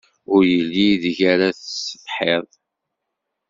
Ur yelli ideg ara tessetḥiḍ.